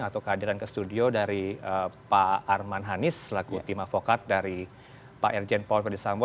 atau kehadiran ke studio dari pak arman hanis selaku tim avokat dari pak irjen paul ferdisambo